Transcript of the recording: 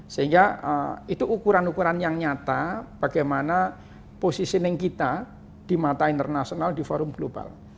sehingga itu ukuran ukuran yang nyata bagaimana positioning kita di mata internasional di forum global